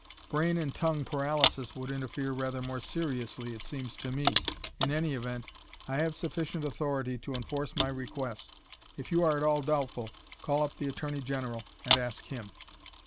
"Brain and tongue paralysis would interfere rather more seriously, it seems to me. In any event, I have sufficient authority to enforce my request. If you are at all doubtful, call up the Attorney General and ask him."